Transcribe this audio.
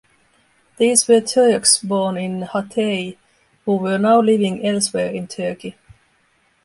These were Turks born in Hatay who were now living elsewhere in Turkey.